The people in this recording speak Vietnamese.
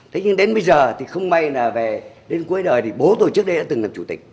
thế nhưng đến bây giờ thì không may là về đến cuối đời thì bố tôi trước đây đã từng làm chủ tịch